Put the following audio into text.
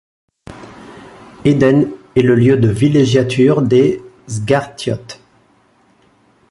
Ehden est le lieu de villégiature des Zghartiotes.